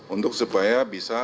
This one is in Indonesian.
untuk supaya bisa